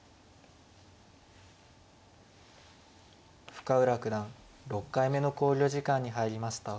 深浦九段６回目の考慮時間に入りました。